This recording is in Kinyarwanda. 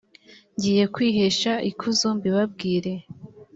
ngiye kwihesha ikuzo mbibabwire